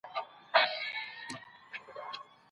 که نظم وي نو ستونزه نه وي.